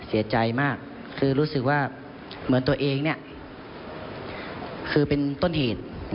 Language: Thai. เสียใจมากคือรู้สึกว่าเหมือนตัวเองเนี่ยคือเป็นต้นเหตุ